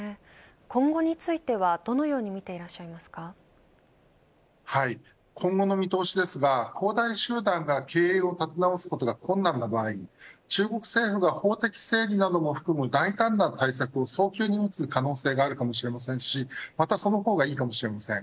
今後についてはどのように今後の見通しですが恒大集団が経営を建て直すことが困難な場合中国政府は法的整理なども含む大胆な対策を早急に打つ可能性があるかもしれませんしまたその方がいいかもしれません。